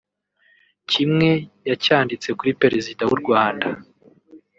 Kimwe yacyanditse kuri Perezida w’u Rwanda